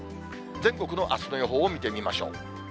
全国のあすの予報を見てみましょう。